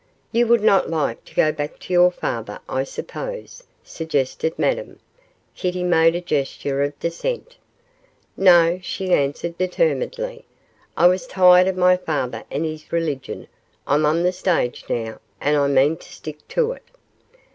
'You would not like to go back to your father, I suppose,' suggested Madame. Kitty made a gesture of dissent. 'No,' she answered, determinedly; 'I was tired of my father and his religion; I'm on the stage now, and I mean to stick to it.